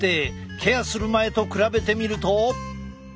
ケアする前と比べてみると。